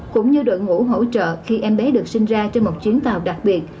cũng như đội ngũ hỗ trợ khi em bé được sinh ra trên một chuyến tàu đặc biệt